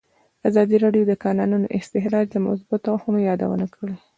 ازادي راډیو د د کانونو استخراج د مثبتو اړخونو یادونه کړې.